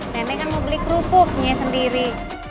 nenek kan mau beli kerupuknya sendiri